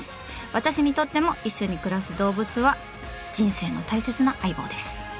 私にとっても一緒に暮らす動物は人生の大切な相棒です。